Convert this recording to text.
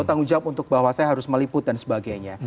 tanggung jawab untuk bahwa saya harus meliput dan sebagainya